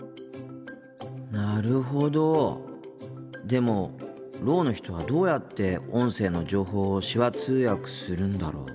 でもろうの人はどうやって音声の情報を手話通訳するんだろう。